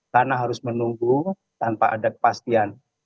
karena harus menunggu tanpa ada kepastian